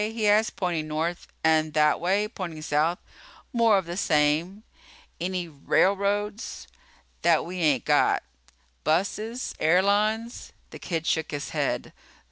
he asked, pointing north. "And that way?" pointing south. "More of the same." "Any railroads?" "That we ain't got." "Buses? Airlines?" The kid shook his head.